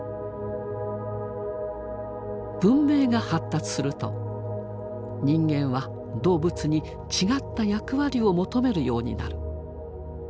文明が発達すると人間は動物に違った役割を求めるようになる。